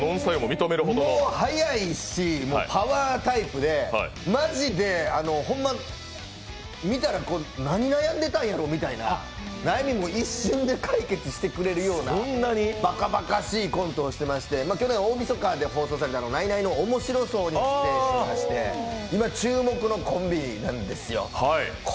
もう早いし、パワータイプでマジで、見たら、何悩んでたんやろみたいな、悩みも一瞬で解決してくれるようなばかばかしいコントをしてまして去年大晦日で放送された「ナイナイのおもしろ荘」に出演していまして、今、注目のコンビなんです。